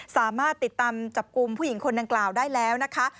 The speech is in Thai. สามารถติดตามจับกลุ่มผู้หญิงคนดังกล่าวได้แล้วนะคะ